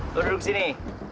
lo duduk sini